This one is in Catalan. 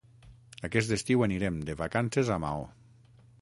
Aquest estiu anirem de vacances a Maó.